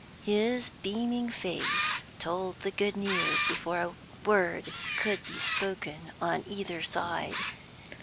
His beaming face told the good news before a word could be spoken on either side.